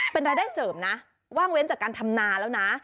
เป็นรายได้เสริมนะว่างเว้นจากการทำนาแล้วนะ